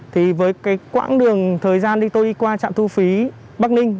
thì với cái quãng đường thời gian đi tôi đi qua trạm thu phí bắc ninh